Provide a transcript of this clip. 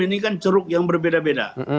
ini kan ceruk yang berbeda beda